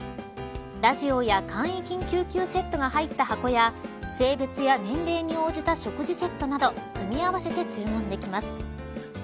ラジオや簡易救急セットが入った箱や性別や年齢に応じた食事セットなど組み合わせて注文できます。